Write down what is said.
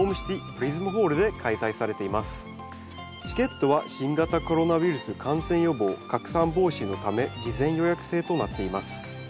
チケットは新型コロナウイルス感染予防拡散防止のため事前予約制となっています。